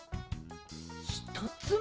ひとつめ！